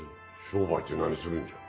商売って何するんじゃ。